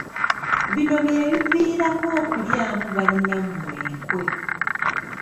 Bino bye biviirako okulyamu bannammwe enkwe.